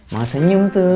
mau senyum tuh